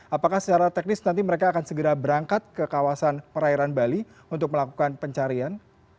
apakah secara teknis nanti mereka akan segera berangkat ke kawasan perairan bali untuk melakukan pencarian